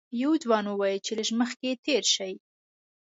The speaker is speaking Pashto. یوه ځوان وویل چې لږ مخکې تېر شئ.